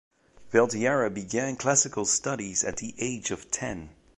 Valtierra began classical studies at the age of ten.